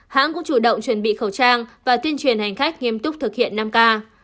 hãng cũng chủ động chuẩn bị khẩu trang và tuyên truyền hành khách nghiêm túc thực hiện năm k